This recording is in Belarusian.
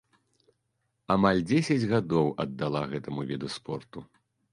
Амаль дзесяць гадоў аддала гэтаму віду спорту.